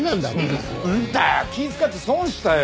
なんだよ気ぃ使って損したよ。